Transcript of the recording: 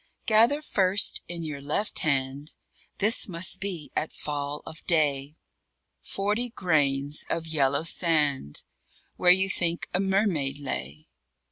GATHER, first, in your left hand (This must be at fall of day) Forty grains of yellow sand Where you think a mermaid lay.